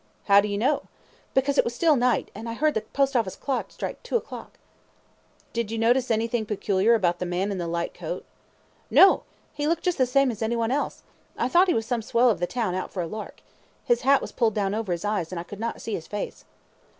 Q. How do you know? A. Because it was a still night, and I heard the Post Office clock strike two o'clock. Q. Did you notice anything peculiar about the man in the light coat? A. No! He looked just the same as anyone else. I thought he was some swell of the town out for a lark. His hat was pulled down over his eyes, and I could not see his face.